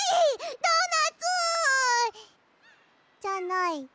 ドーナツ！じゃない。